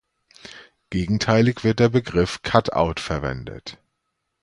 Gegenteilig wird der Begriff Cut Out verwendet.